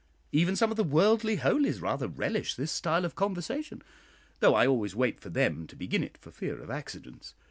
Even some of the "worldly holies" rather relish this style of conversation, though I always wait for them to begin it, for fear of accidents.